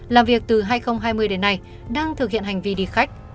làm việc từ hai nghìn hai mươi đến nay đang thực hiện hành vi đi khách